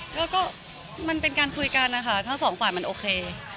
ก็มันเป็นการคุยกันนะคะทั้งสองฝ่ายมันโอเค